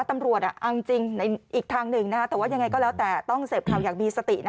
มาด้วยนะครับ